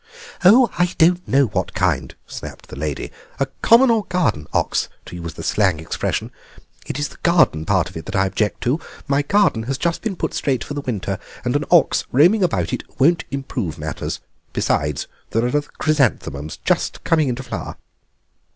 "Oh, I don't know what kind," snapped the lady. "A common or garden ox, to use the slang expression. It is the garden part of it that I object to. My garden has just been put straight for the winter, and an ox roaming about in it won't improve matters. Besides, there are the chrysanthemums just coming into flower."